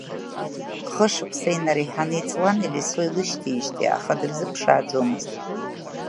Хышықәса инреиҳаны иҵуан Елисо илышьҭеижьҭеи, аха дырзыԥшааӡомызт.